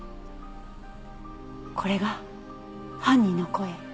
これが犯人の声？